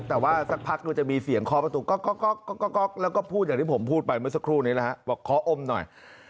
แต่สักพักมันจะมีเสียงค้อประตุกก็แล้วก็พูดยังที่พูดไปแมร่สักครู่นี้ล่ะชอบขออุ้มหน่อย